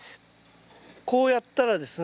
こうやったらですね